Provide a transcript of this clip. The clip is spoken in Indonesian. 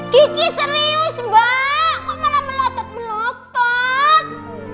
gigi serius mbak kok malah melotot melotot